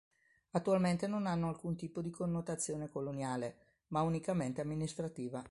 Attualmente non hanno alcun tipo di connotazione coloniale, ma unicamente amministrativa.